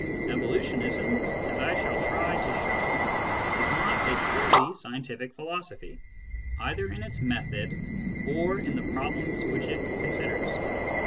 Evolutionism, as I shall try to show, is not a truly scientific philosophy, either in its method or in the problems which it considers.